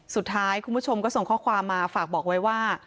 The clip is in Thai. คุณผู้ชมก็ส่งข้อความมาฝากบอกไว้ว่า